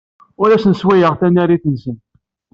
Ur asen-sfawayeɣ tanarit-nsen.